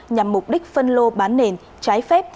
nhằm mục đích phân lô bán nền trái phép